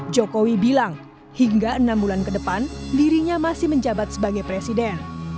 jokowi bilang hingga enam bulan ke depan dirinya masih menjabat sebagai presiden